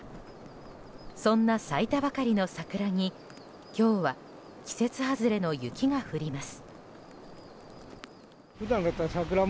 そんな、咲いたばかりの桜に今日は季節外れの雪が降ります。